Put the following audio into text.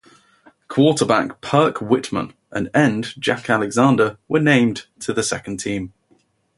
Quarterback Perk Whitman and end Jack Alexander were named to the second team.